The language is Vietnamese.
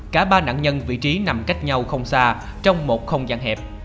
cả ba nạn nhân vị trí nằm cách nhau không xa trong một không gian hẹp